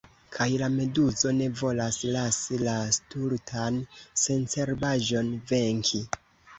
Kaj la meduzo ne volas lasi la stultan sencerbaĵon venki.